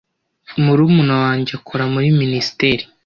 Murumuna wanjye akora muri minisiteri.